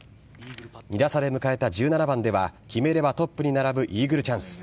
２打差で迎えた１７番では、決めればトップに並ぶイーグルチャンス。